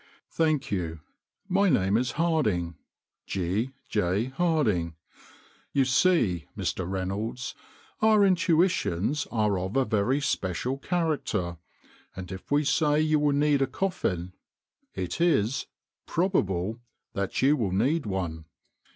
" Thank you, my name is Harding G. J. Harding. You see, Mr. Reynolds, our in tuitions are of a very special character, and if we say that you will need a coffin, it is ^probable that you will need one."